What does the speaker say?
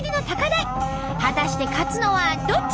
果たして勝つのはどっち！？